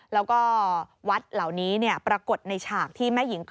และวัดเหล่านี้ปรากฎในฉากที่แม้หญิงกรเกด